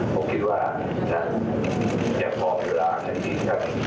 ผมคิดว่านะอย่าพอเวลาให้พี่ครับ